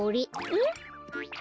えっ？